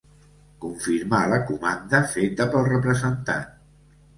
Confirmar la comanda feta pel representant.